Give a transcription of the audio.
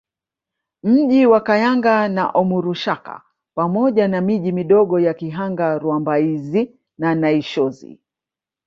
Mji wa Kayanga na Omurushaka pamoja na miji midogo ya Kihanga Rwambaizi na Nyaishozi